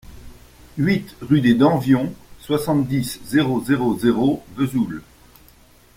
huit rue des Danvions, soixante-dix, zéro zéro zéro, Vesoul